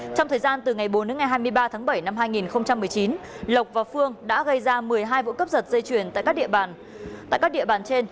trong thời gian từ ngày bốn hai mươi ba bảy hai nghìn một mươi chín lộc và phương đã gây ra một mươi hai vụ cấp giật dây chuyền tại các địa bàn trên